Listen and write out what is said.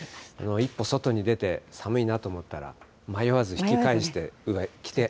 一歩外に出て、寒いなと思ったら、迷わず引き返して、上を着て。